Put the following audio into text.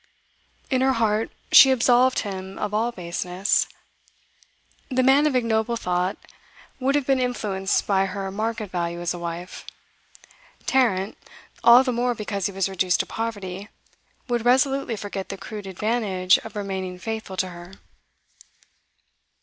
In her heart, she absolved him of all baseness. The man of ignoble thought would have been influenced by her market value as a wife. Tarrant, all the more because he was reduced to poverty, would resolutely forget the crude advantage of remaining faithful to her.